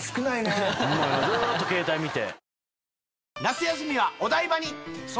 ずっと携帯見て。